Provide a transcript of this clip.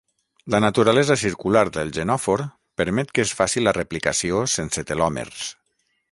La naturalesa circular del genòfor permet que es faci la replicació sense telòmers.